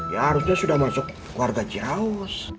ya harusnya sudah masuk warga ciaus